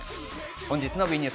本日のＷＥニュース